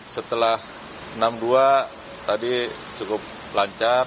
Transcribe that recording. setelah enam puluh dua tadi cukup lancar